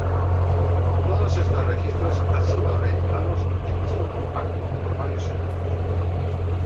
Todos estos registros han sido reeditados en disco compacto por varios sellos.